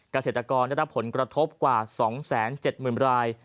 เกษตรกรได้รับผลกระทบกว่า๒๗๐๐ราย